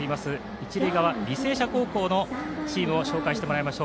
一塁側、履正社高校のチームを紹介してもらいます。